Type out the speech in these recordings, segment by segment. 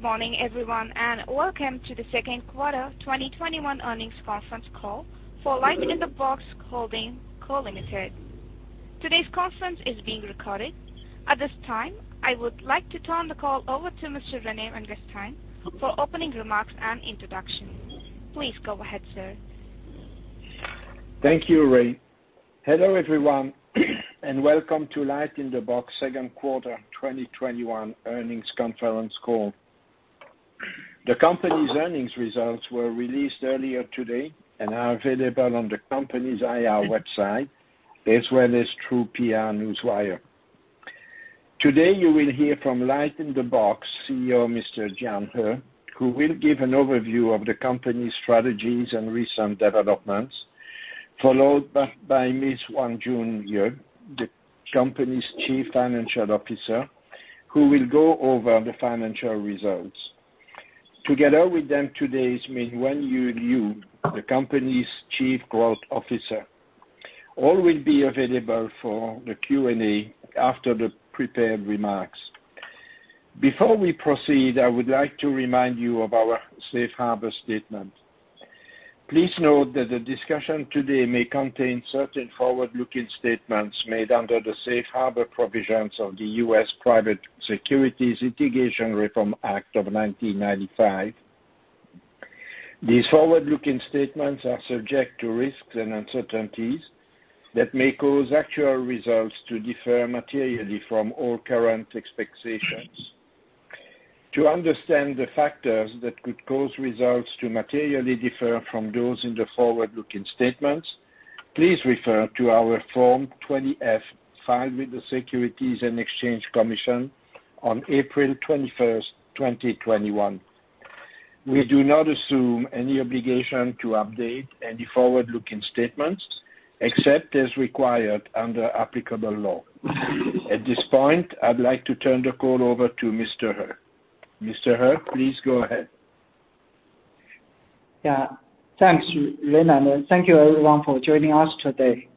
Good morning, everyone, and welcome to the second quarter 2021 earnings conference call for LightInTheBox Holding Co., Ltd. Today's conference is being recorded. At this time, I would like to turn the call over to Mr. Rene Vanguestaine for opening remarks and introduction. Please go ahead, sir. Thank you, Ray. Hello, everyone, and welcome to LightInTheBox second quarter 2021 earnings conference call. The company's earnings results were released earlier today and are available on the company's IR website, as well as through PR Newswire. Today you will hear from LightInTheBox CEO, Mr. Jian He, who will give an overview of the company's strategies and recent developments, followed by Ms. Yuanjun Ye, the company's Chief Financial Officer, who will go over the financial results. Together with them today is Wenyu Liu, the company's Chief Growth Officer. All will be available for the Q&A after the prepared remarks. Before we proceed, I would like to remind you of our Safe Harbor statement. Please note that the discussion today may contain certain forward-looking statements made under the Safe Harbor provisions of the U.S. Private Securities Litigation Reform Act of 1995. These forward-looking statements are subject to risks and uncertainties that may cause actual results to differ materially from all current expectations. To understand the factors that could cause results to materially differ from those in the forward-looking statements, please refer to our Form 20-F filed with the Securities and Exchange Commission on April 21st, 2021. We do not assume any obligation to update any forward-looking statements except as required under applicable law. At this point, I'd like to turn the call over to Mr. He. Mr. He, please go ahead. Yeah. Thanks, Rene, thank you everyone for joining us today.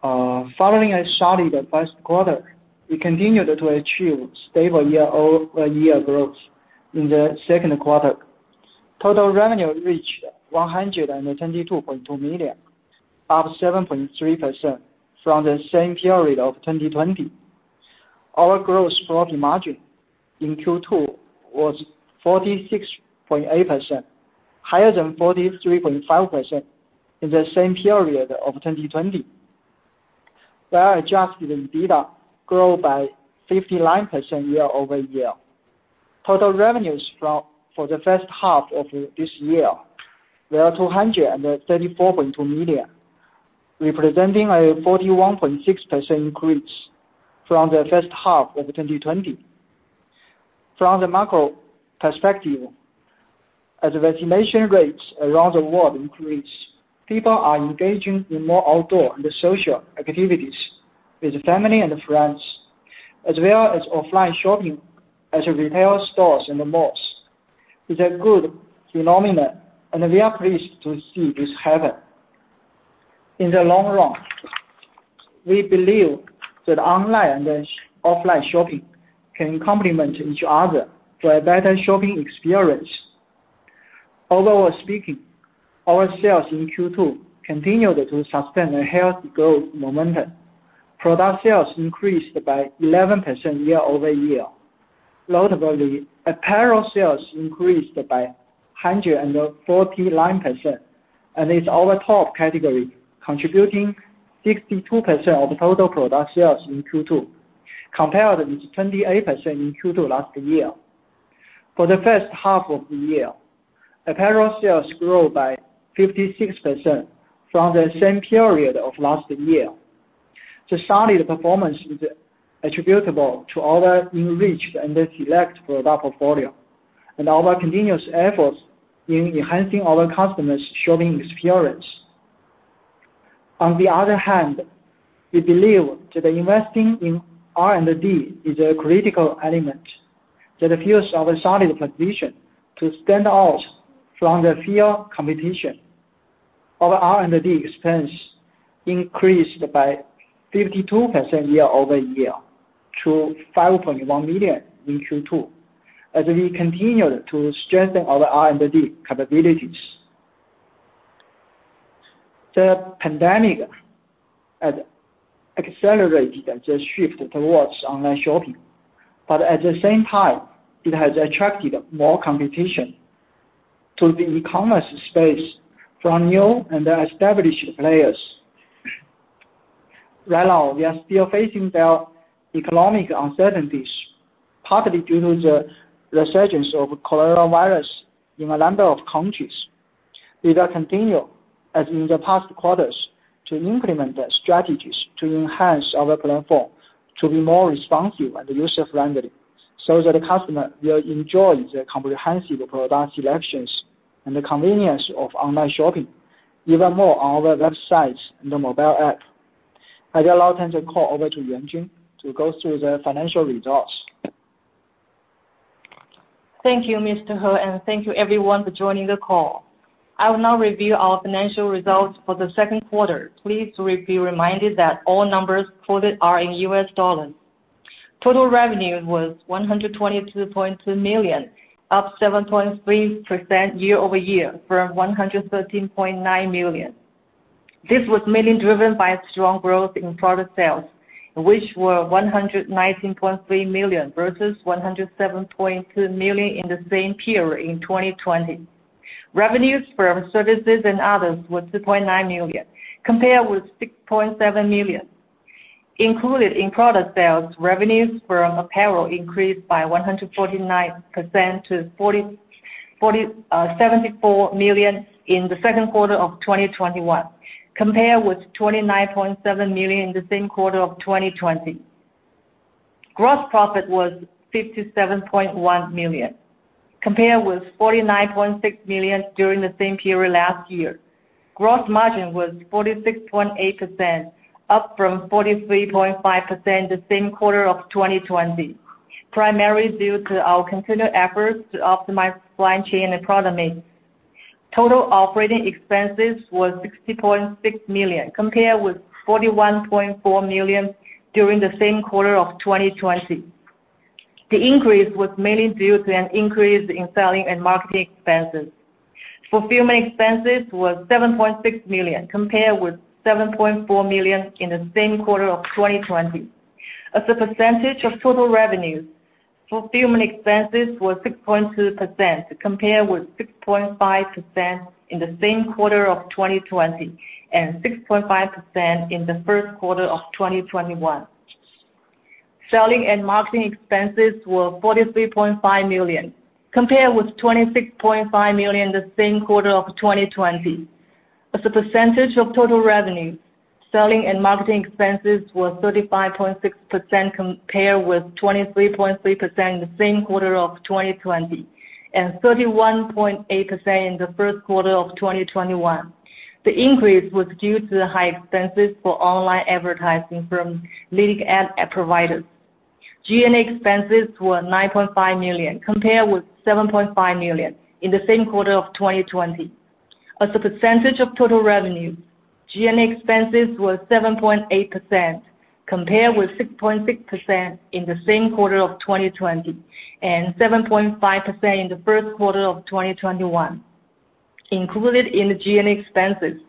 Following a solid first quarter, we continued to achieve stable year-over-year growth in the second quarter. Total revenue reached $122.2 million, up 7.3% from the same period of 2020. Our gross profit margin in Q2 was 46.8%, higher than 43.5% in the same period of 2020, where adjusted EBITDA grew by 59% year-over-year. Total revenues for the first half of this year were $234.2 million, representing a 41.6% increase from the first half of 2020. From the macro perspective, as vaccination rates around the world increase, people are engaging in more outdoor and social activities with family and friends, as well as offline shopping at retail stores and malls. It's a good phenomenon, we are pleased to see this happen. In the long run, we believe that online and offline shopping can complement each other for a better shopping experience. Overall speaking, our sales in Q2 continued to sustain a healthy growth momentum. Product sales increased by 11% year-over-year. Notably, apparel sales increased by 149%, and is our top category, contributing 62% of total product sales in Q2, compared with 28% in Q2 last year. For the first half of the year, apparel sales grew by 56% from the same period of last year. The solid performance is attributable to our enriched and select product portfolio and our continuous efforts in enhancing our customers' shopping experience. On the other hand, we believe that investing in R&D is a critical element that fuels our solid position to stand out from the field competition. Our R&D expense increased by 52% year-over-year to $5.1 million in Q2, as we continued to strengthen our R&D capabilities. At the same time, it has attracted more competition to the e-commerce space from new and established players. Right now, we are still facing the economic uncertainties, partly due to the resurgence of coronavirus in a number of countries. We will continue, as in the past quarters, to implement strategies to enhance our platform to be more responsive and user-friendly so that customers will enjoy the comprehensive product selections and the convenience of online shopping even more on our websites and mobile app. I will now turn the call over to Yuanjun to go through the financial results. Thank you, Mr. He, and thank you everyone for joining the call. I will now review our financial results for the second quarter. Please be reminded that all numbers quoted are in US dollars. Total revenue was $122.2 million, up 7.3% year-over-year from $113.9 million. This was mainly driven by strong growth in product sales, which were $119.3 million versus $107.2 million in the same period in 2020. Revenues from services and others were $2.9 million, compared with $6.7 million. Included in product sales, revenues from apparel increased by 149% to $74 million in the second quarter of 2021, compared with $29.7 million in the same quarter of 2020. Gross profit was $57.1 million, compared with $49.6 million during the same period last year. Gross margin was 46.8%, up from 43.5% the same quarter of 2020, primarily due to our continued efforts to optimize supply chain and product mix. Total operating expenses were $60.6 million, compared with $41.4 million during the same quarter of 2020. The increase was mainly due to an increase in selling and marketing expenses. Fulfillment expenses were $7.6 million, compared with $7.4 million in the same quarter of 2020. As a percentage of total revenue, fulfillment expenses were 6.2% compared with 6.5% in the same quarter of 2020, and 6.5% in the first quarter of 2021. Selling and marketing expenses were $43.5 million, compared with $26.5 million in the same quarter of 2020. As a percentage of total revenue, selling and marketing expenses were 35.6% compared with 23.3% in the same quarter of 2020, and 31.8% in the first quarter of 2021. The increase was due to the high expenses for online advertising from leading ad providers. G&A expenses were $9.5 million, compared with $7.5 million in the same quarter of 2020. As a percentage of total revenue, G&A expenses were 7.8%, compared with 6.6% in the same quarter of 2020, and 7.5% in the first quarter of 2021. Included in the G&A expenses,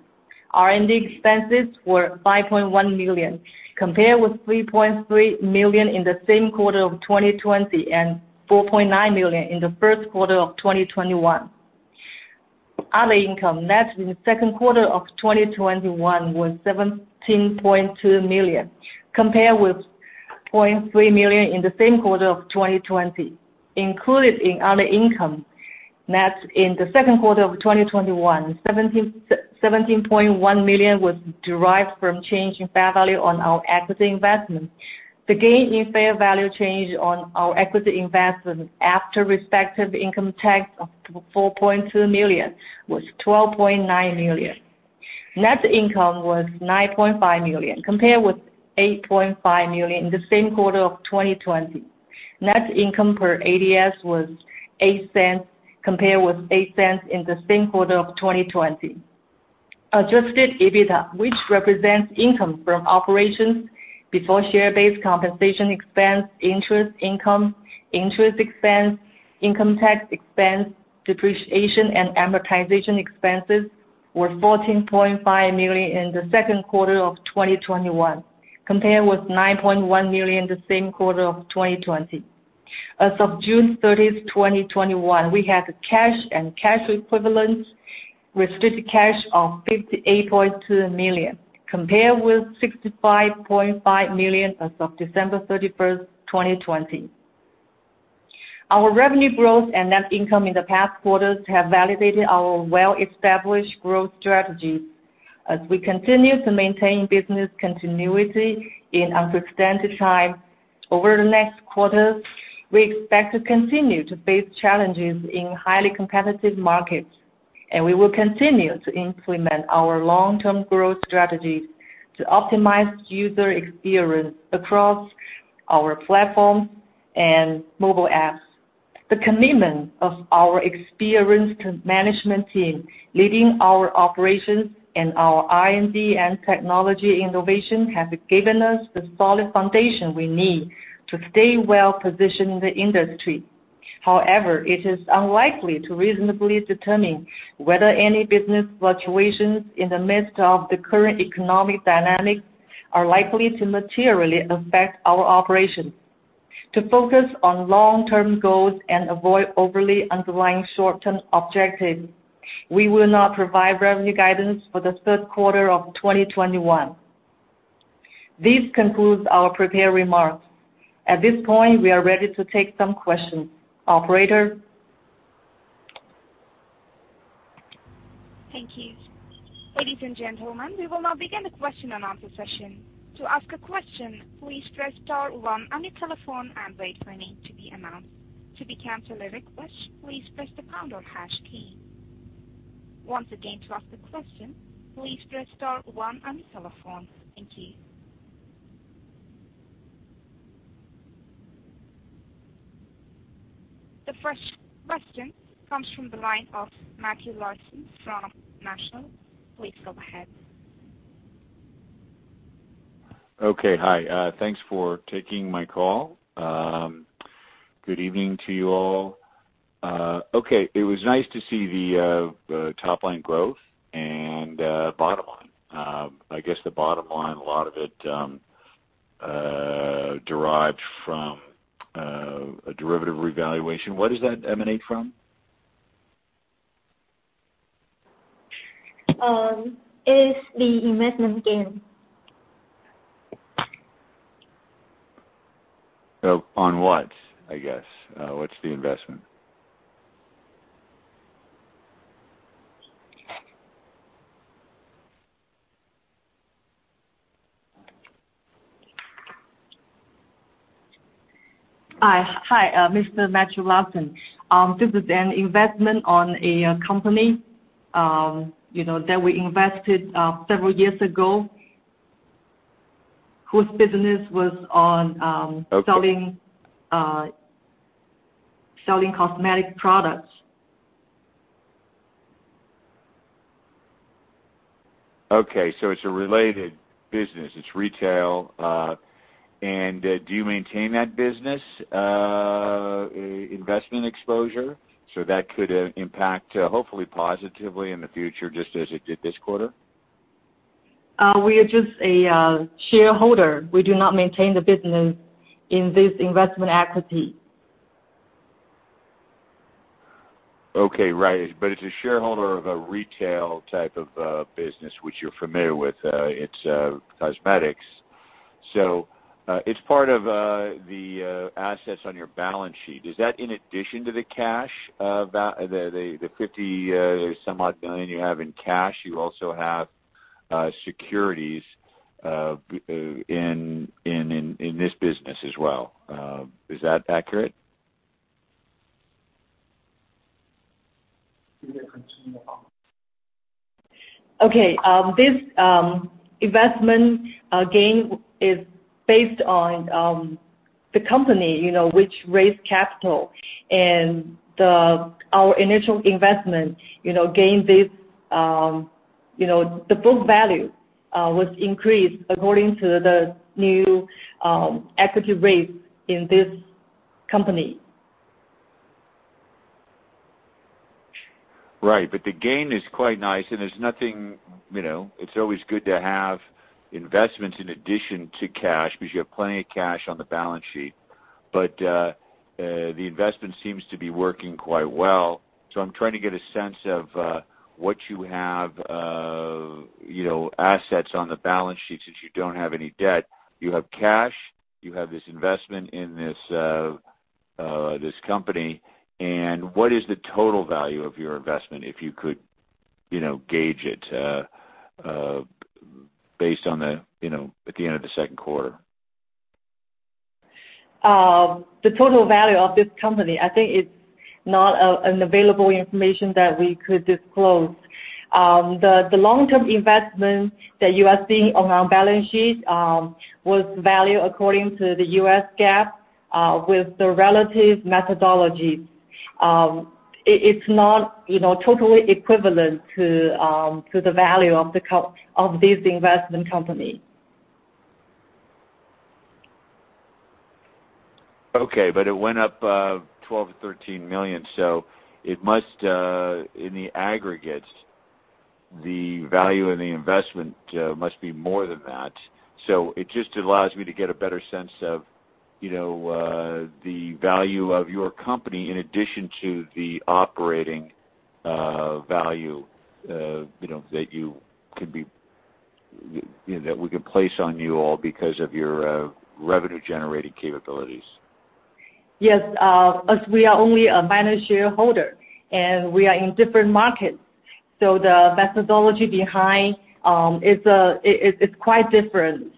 R&D expenses were $5.1 million, compared with $3.3 million in the same quarter of 2020, and $4.9 million in the first quarter of 2021. Other income, net in the second quarter of 2021 was $17.2 million, compared with $0.3 million in the same quarter of 2020. Included in other income, net in the second quarter of 2021, $17.1 million was derived from change in fair value on our equity investment. The gain in fair value change on our equity investment after respective income tax of $4.2 million was $12.9 million. Net income was $9.5 million, compared with $8.5 million in the same quarter of 2020. Net income per ADS was $0.08, compared with $0.08 in the same quarter of 2020. Adjusted EBITDA, which represents income from operations before share-based compensation expense, interest income, interest expense, income tax expense, depreciation, and amortization expenses, were $14.5 million in the second quarter of 2021, compared with $9.1 million in the same quarter of 2020. As of June 30th, 2021, we had cash and cash equivalents restricted cash of $58.2 million, compared with $65.5 million as of December 31st, 2020. Our revenue growth and net income in the past quarters have validated our well-established growth strategies. As we continue to maintain business continuity in unprecedented times over the next quarter, we expect to continue to face challenges in highly competitive markets, and we will continue to implement our long-term growth strategies to optimize user experience across our platform and mobile apps. The commitment of our experienced management team leading our operations and our R&D and technology innovation has given us the solid foundation we need to stay well-positioned in the industry. It is unlikely to reasonably determine whether any business fluctuations in the midst of the current economic dynamics are likely to materially affect our operations. To focus on long-term goals and avoid overly underlying short-term objectives, we will not provide revenue guidance for the third quarter of 2021. This concludes our prepared remarks. At this point, we are ready to take some questions. Operator? Thank you. Ladies and gentlemen, we will now begin the question and answer session. To ask a question, please press star one on your telephone and wait for your name to be announced. To withdraw your request, please press the pound or hash key. Once again, to ask a question, please press star one on your telephone. Thank you. The first question comes from the line of Matthew Larsen from National. Please go ahead. Okay. Hi. Thanks for taking my call. Good evening to you all. Okay. It was nice to see the top-line growth and bottom line. I guess the bottom line, a lot of it derived from a derivative revaluation. What does that emanate from? It's the investment gain. On what, I guess? What's the investment? Hi, Mr. Matthew Larsen. This is an investment on a company that we invested several years ago, whose business was on-. Okay selling cosmetic products. It's a related business. It's retail. Do you maintain that business investment exposure so that could impact, hopefully positively in the future, just as it did this quarter? We are just a shareholder. We do not maintain the business in this investment equity. Okay. Right. It's a shareholder of a retail type of business, which you're familiar with. It's cosmetics. It's part of the assets on your balance sheet. Is that in addition to the cash, the $50 some odd million you have in cash, you also have securities in this business as well. Is that accurate? Okay. This investment gain is based on the company which raised capital and our initial investment gain, the book value was increased according to the new equity raise in this company. Right. The gain is quite nice, and it's always good to have investments in addition to cash, because you have plenty of cash on the balance sheet. The investment seems to be working quite well. I'm trying to get a sense of what you have assets on the balance sheet, since you don't have any debt. You have cash, you have this investment in this company, and what is the total value of your investment, if you could gauge it based on at the end of the second quarter? The total value of this company, I think it's not an available information that we could disclose. The long-term investment that you are seeing on our balance sheet was valued according to the U.S. GAAP with the relative methodology. It's not totally equivalent to the value of this investment company. Okay. It went up $12 million-$13 million. In the aggregate, the value of the investment must be more than that. It just allows me to get a better sense of the value of your company in addition to the operating value that we can place on you all because of your revenue-generating capabilities. Yes. As we are only a minor shareholder, and we are in different markets, so the methodology behind is quite different.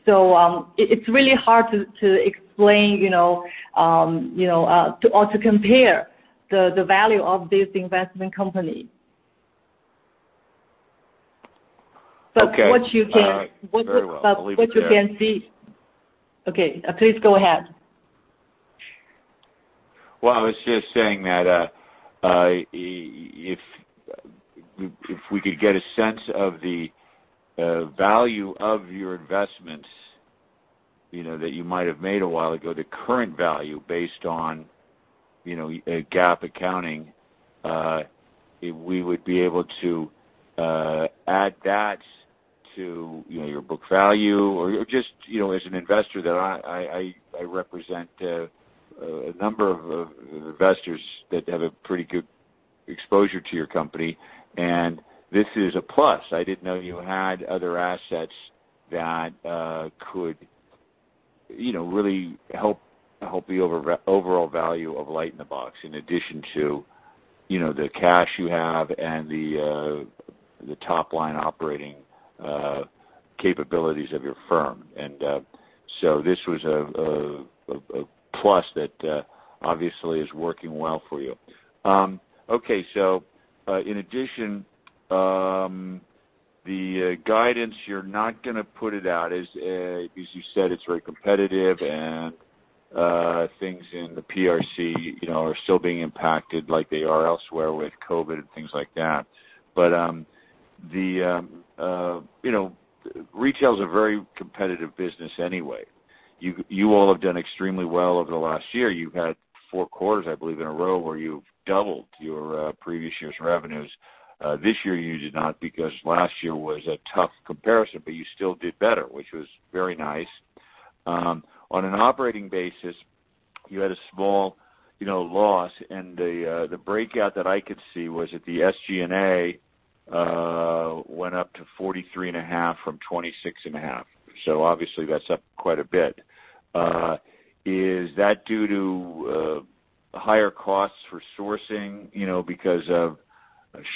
It's really hard to explain or to compare the value of this investment company. Okay. But what you can- Very well. I'll leave it there. Okay, please go ahead. Well, I was just saying that if we could get a sense of the value of your investments that you might have made a while ago, the current value based on GAAP accounting, we would be able to add that to your book value. Just as an investor, that I represent a number of investors that have a pretty good exposure to your company, this is a plus. I didn't know you had other assets that could really help the overall value of LightInTheBox, in addition to the cash you have and the top-line operating capabilities of your firm. This was a plus that obviously is working well for you. Okay, in addition, the guidance, you're not going to put it out. As you said, it's very competitive and things in the PRC are still being impacted like they are elsewhere with COVID-19 and things like that. Retail is a very competitive business anyway. You all have done extremely well over the last year. You've had 4 quarters, I believe, in a row where you've doubled your previous year's revenues. This year, you did not because last year was a tough comparison, but you still did better, which was very nice. On an operating basis, you had a small loss and the breakout that I could see was that the SG&A went up to 43.5 from 26.5. Obviously, that's up quite a bit. Is that due to higher costs for sourcing because of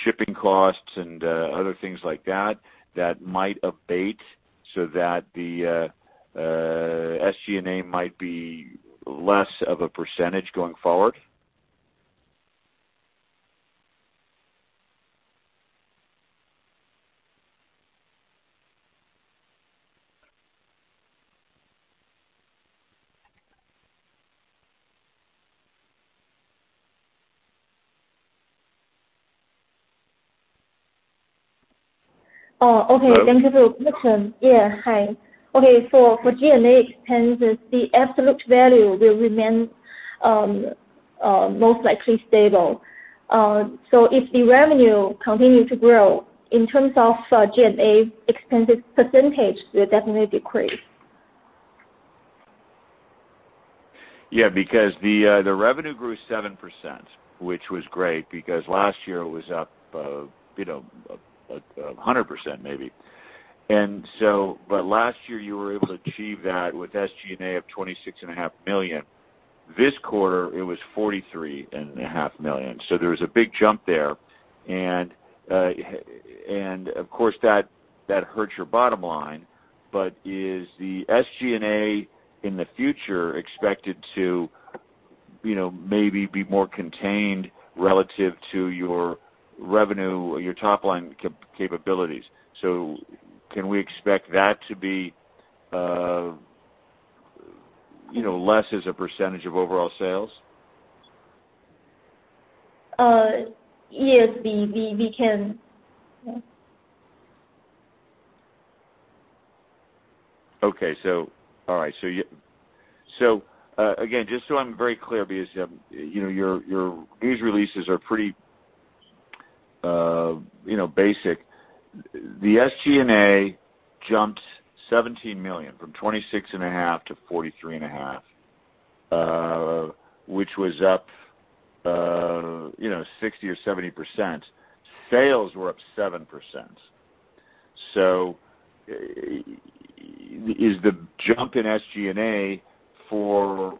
shipping costs and other things like that might abate so that the SG&A might be less of a percentage going forward? Okay. Thank you, [Matthew]. Okay. For G&A expenses, the absolute value will remain most likely stable. If the revenue continue to grow, in terms of G&A expenses percentage, will definitely decrease. The revenue grew 7%, which was great, because last year it was up 100% maybe. Last year, you were able to achieve that with SG&A of $26.5 million. This quarter, it was $43.5 million. There was a big jump there, and of course, that hurts your bottom line. Is the SG&A in the future expected to maybe be more contained relative to your revenue or your top-line capabilities? Can we expect that to be less as a percentage of overall sales? Yes, we can. Okay. All right. Again, just so I'm very clear, because your news releases are pretty basic. The SG&A jumped $17 million from $26 and a half million to $43.5 Million, which was up 60% or 70%. Sales were up 7%. Is the jump in SG&A for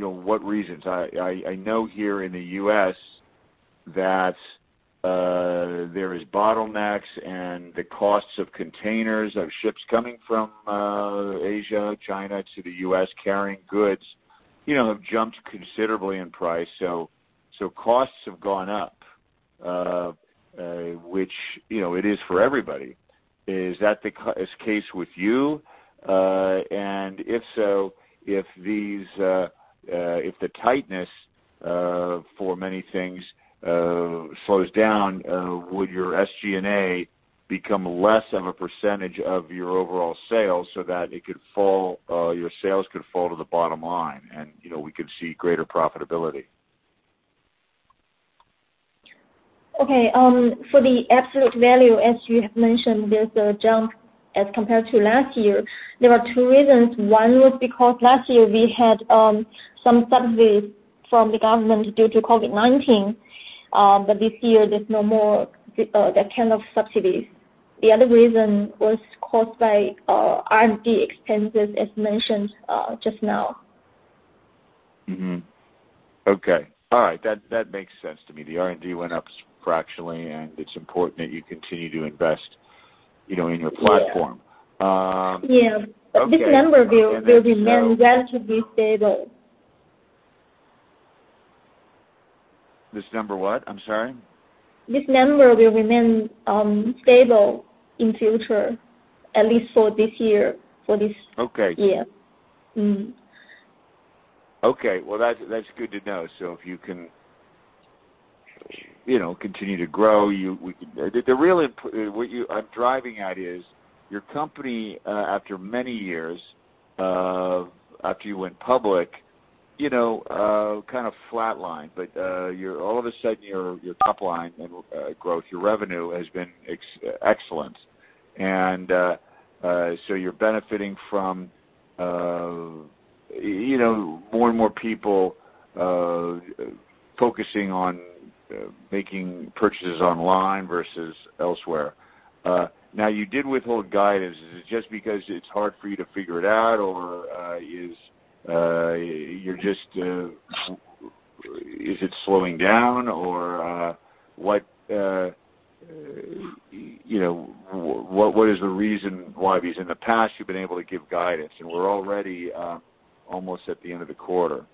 what reasons? I know here in the U.S. that there is bottlenecks and the costs of containers of ships coming from Asia, China to the U.S. carrying goods have jumped considerably in price. Costs have gone up, which it is for everybody. Is that the case with you? If so, if the tightness for many things slows down, would your SG&A become less of a percentage of your overall sales so that your sales could fall to the bottom line and we could see greater profitability? Okay. For the absolute value, as you have mentioned, there's a jump as compared to last year. There are two reasons. One was because last year we had some subsidies from the government due to COVID-19, but this year there's no more that kind of subsidies. The other reason was caused by R&D expenses, as mentioned just now. Okay. All right. That makes sense to me. The R&D went up fractionally, and it's important that you continue to invest in your platform. Yes. Okay. This number will remain well to be stable. This number what? I'm sorry. This number will remain stable in future, at least for this year. Okay. Yeah. Okay. Well, that's good to know. If you can continue to grow, what I'm driving at is your company, after many years after you went public, kind of flatlined. All of a sudden, your top line growth, your revenue has been excellent. You're benefiting from more and more people focusing on making purchases online versus elsewhere. Now, you did withhold guidance. Is it just because it's hard for you to figure it out, or is it slowing down? What is the reason why? In the past, you've been able to give guidance, and we're already almost at the end of the quarter.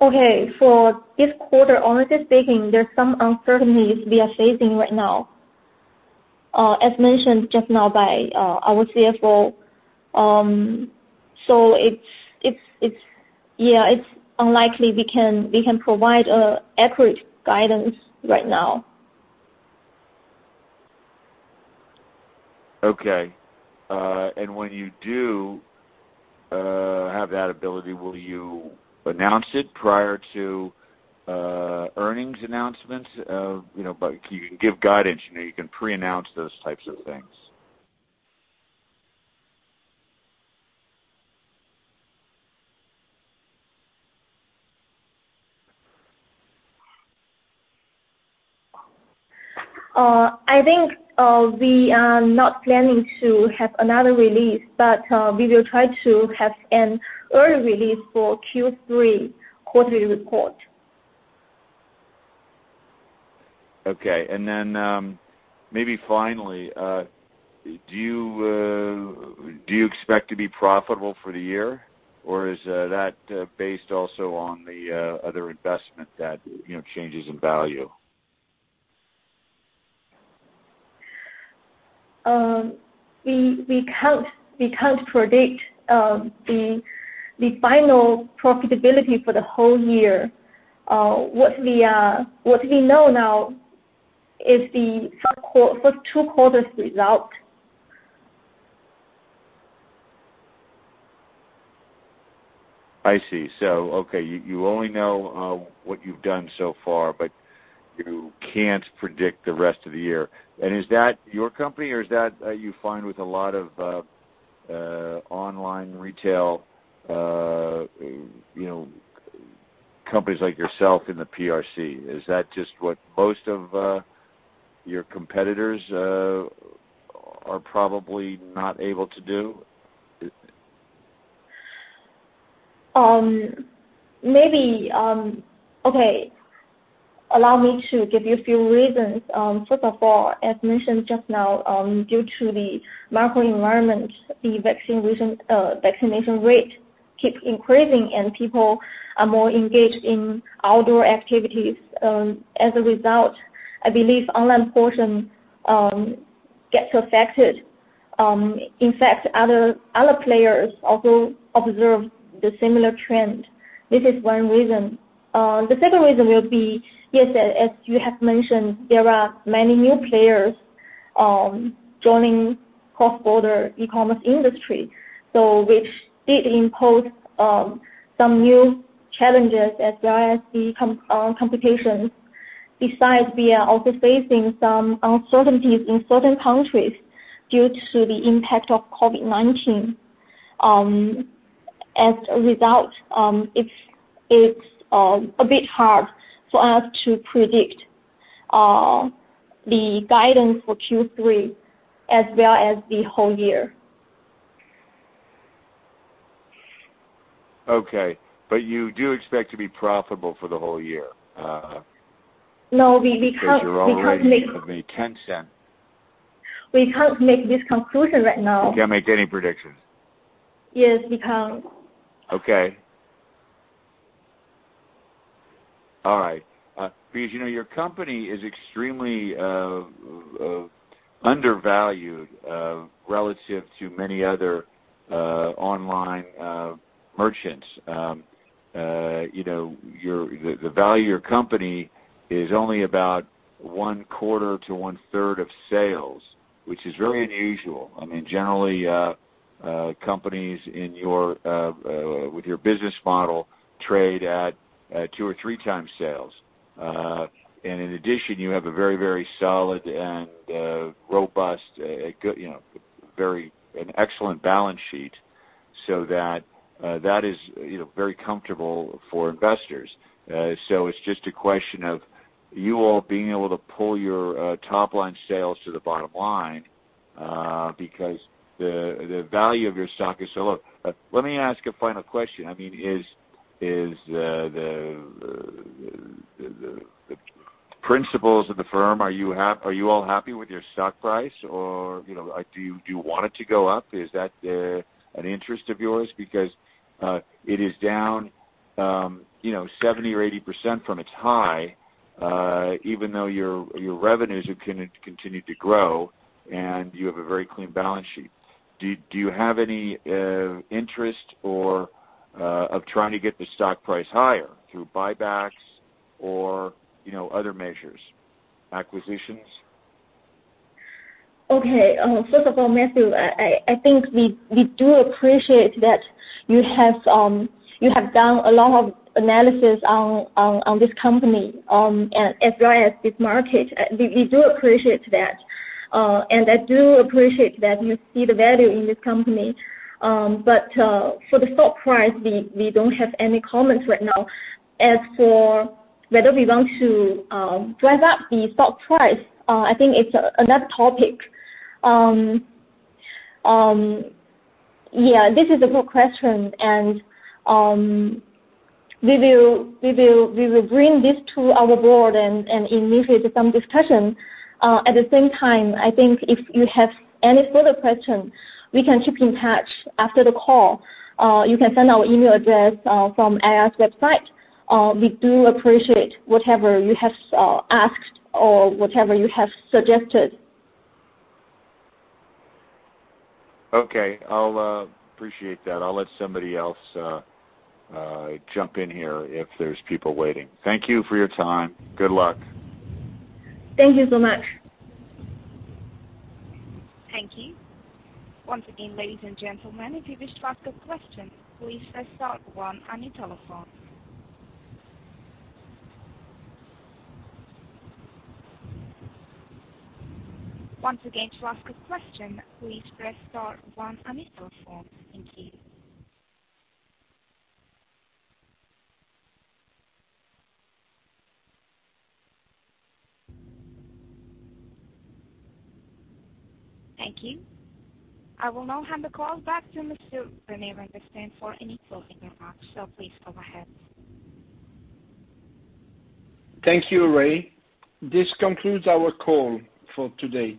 Okay. For this quarter, honestly speaking, there's some uncertainties we are facing right now, as mentioned just now by our CFO. It's unlikely we can provide accurate guidance right now. Okay. When you do have that ability, will you announce it prior to earnings announcements? You can give guidance, you can pre-announce those types of things. I think we are not planning to have another release, but we will try to have an early release for Q3 quarterly report. Okay. Maybe finally, do you expect to be profitable for the year, or is that based also on the other investment that changes in value? We can't predict the final profitability for the whole year. What we know now is the first 2 quarters result. I see. Okay, you only know what you've done so far, but you can't predict the rest of the year. Is that your company, or is that you find with a lot of online retail companies like yourself in the PRC? Is that just what most of your competitors are probably not able to do? Maybe. Okay. Allow me to give you a few reasons. First of all, as mentioned just now, due to the macro environment, the vaccination rate keeps increasing, and people are more engaged in outdoor activities. As a result, I believe online portion gets affected. In fact, other players also observe the similar trend. This is one reason. The second reason will be, yes, as you have mentioned, there are many new players joining cross-border e-commerce industry. Which did impose some new challenges as well as the complications. Besides, we are also facing some uncertainties in certain countries due to the impact of COVID-19. As a result, it's a bit hard for us to predict the guidance for Q3 as well as the whole year. Okay. You do expect to be profitable for the whole year? No, we. Because you're already making $0.10. We can't make this conclusion right now. You can't make any predictions? Yes, we can't. Okay. All right. Because your company is extremely undervalued relative to many other online merchants. The value of your company is only about one quarter to one-third of sales, which is very unusual. I mean, generally, companies with your business model trade at two or three times sales. In addition, you have a very solid and robust, an excellent balance sheet. That is very comfortable for investors. It's just a question of you all being able to pull your top-line sales to the bottom line, because the value of your stock is so low. Let me ask a final question. I mean, are the principals of the firm, are you all happy with your stock price, or do you want it to go up? Is that an interest of yours? It is down 70% or 80% from its high, even though your revenues have continued to grow, and you have a very clean balance sheet. Do you have any interest of trying to get the stock price higher through buybacks or other measures? Acquisitions? Okay. First of all, Matthew, I think we do appreciate that you have done a lot of analysis on this company as well as this market. We do appreciate that, and I do appreciate that you see the value in this company. For the stock price, we don't have any comments right now. As for whether we want to drive up the stock price, I think it's another topic. This is a good question, and we will bring this to our board and initiate some discussion. At the same time, I think if you have any further questions, we can keep in touch after the call. You can send our email address from IR's website. We do appreciate whatever you have asked or whatever you have suggested. Okay. I'll appreciate that. I'll let somebody else jump in here if there's people waiting. Thank you for your time. Good luck. Thank you so much. Thank you. Once again, ladies and gentlemen, if you wish to ask a question, please press star one on your telephone. Once again, to ask a question, please press star one on your telephone. Thank you. Thank you. I will now hand the call back to Mr. Rene Vanguestaine for any closing remarks. Please go ahead. Thank you, Ray. This concludes our call for today.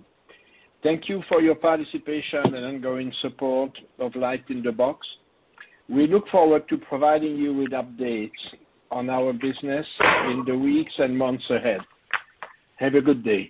Thank you for your participation and ongoing support of LightInTheBox. We look forward to providing you with updates on our business in the weeks and months ahead. Have a good day.